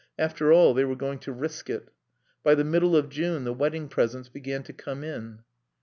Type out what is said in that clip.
After all, they were going to risk it. By the middle of June the wedding presents began to come in.